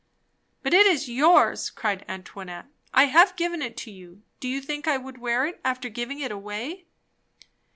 "But it is yours!" cried Antoinette. "I have given it to you. Do you think I would wear it, after giving it away?"